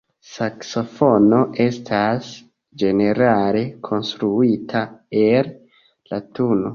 Saksofono estas ĝenerale konstruita el latuno.